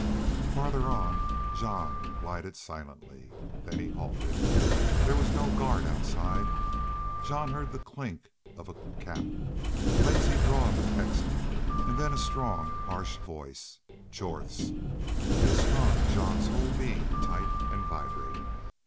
Farther on Jean glided silently. Then he halted. There was no guard outside. Jean heard the clink of a cap, the lazy drawl of a Texan, and then a strong, harsh voice Jorth's. It strung Jean's whole being tight and vibrating.